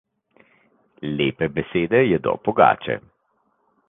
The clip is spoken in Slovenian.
Lepe besede jedo pogače.